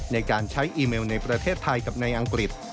ในการใช้อีเมลในประเทศไทยกับในอังกฤษ